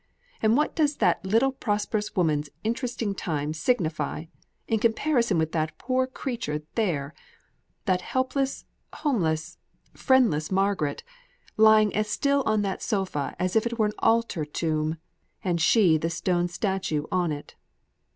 And what does that little prosperous woman's 'interesting time' signify, in comparison with that poor creature there, that helpless, homeless, friendless, Margaret lying as still on that sofa as if it were an altar tomb, and she the stone statue on it.